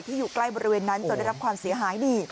อยู่ใกล้บริเวณนั้นจนได้รับความเสียหายนี่